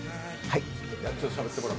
はい。